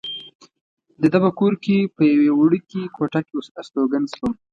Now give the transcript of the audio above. د ده په کور کې په یوې وړوکې کوټه کې استوګن شوم.